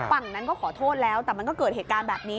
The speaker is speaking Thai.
ฝั่งนั้นก็ขอโทษแล้วแต่มันก็เกิดเหตุการณ์แบบนี้